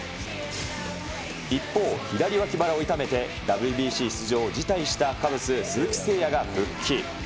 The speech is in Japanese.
一方、左脇腹を痛めてＷＢＣ出場を辞退したカブス、鈴木誠也が復帰。